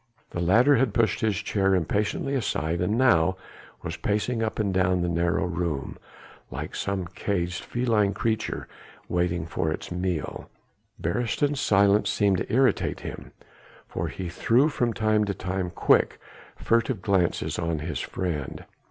The latter had pushed his chair impatiently aside and now was pacing up and down the narrow room like some caged feline creature waiting for its meal. Beresteyn's silence seemed to irritate him for he threw from time to time quick, furtive glances on his friend.